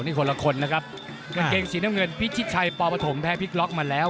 นี่คนละคนนะครับกางเกงสีน้ำเงินพิชิตชัยปปฐมแพ้พลิกล็อกมาแล้ว